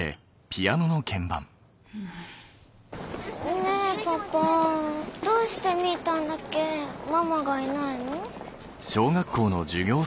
うん。ねぇパパどうしてみぃたんだけママがいないの？